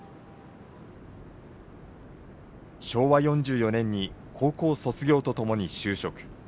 昭和４４年に高校卒業とともに就職。